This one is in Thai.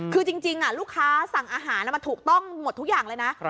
คือจริงลูกค้าสั่งอาหารมันถูกต้องหมดทุกอย่างเลยนะ